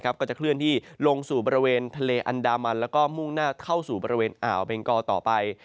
ก็จะเคลื่อนที่ลงสู่บริเวณทะเลอันดามันแล้วก็มุ่งหน้าเข้าสู่บริเวณอ่าวเบงกอต่อไป